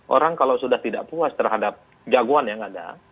orang kalau sudah tidak puas terhadap jagoan yang ada